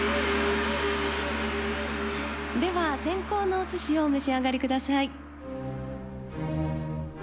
では先攻のお鮨をお召し上がりください。